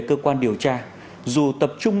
về cơ quan điều tra dù tập trung